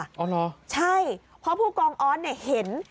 อ๋อเหรอใช่เพราะผู้กองออสเนี่ยเห็น